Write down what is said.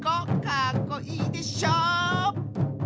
かっこいいでしょ！